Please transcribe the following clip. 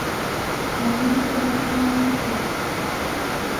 А тудо тыгай пашалан кертеш.